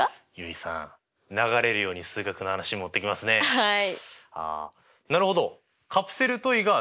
はい。